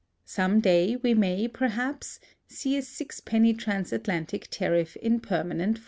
Some day we may, perhaps, see a sixpenny transatlantic tariff in permanent force.